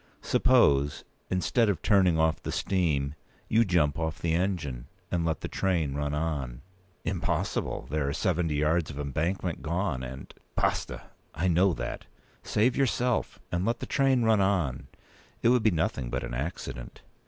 Suppose, instead of turning off the steam, you jump off the engine, and let the train run on?" "Impossible. There are seventy yards of embankment gone, and—" "Basta! I know that. Save yourself, and let the train run on. It would be nothing but an accident."